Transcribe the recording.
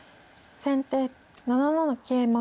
先手７七桂馬。